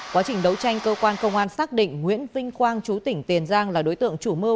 quá trình đấu tranh cơ quan công an xác định nguyễn vinh quang chú tỉnh tiền giang là đối tượng chủ mơ